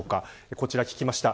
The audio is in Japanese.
こちら聞きました。